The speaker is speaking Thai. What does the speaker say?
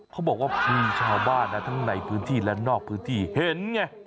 เขาบอกว่ามีชาวบ้านนะทั้งในพื้นที่และนอกพื้นที่เห็นไง